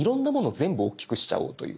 全部おっきくしちゃおうという。